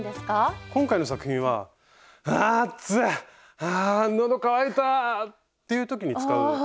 今回の作品は「あ暑い！あ喉渇いた！」っていう時に使うあれです。